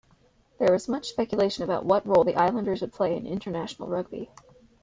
There was much speculation about what role the Islanders would play in international rugby.